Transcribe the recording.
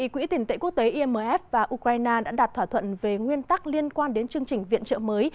quỹ tiền tệ quốc tế imf và ukraine đã đạt thỏa thuận về nguyên tắc liên quan đến chương trình viện trợ mới